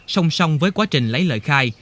song song với quá trình lấy lời khai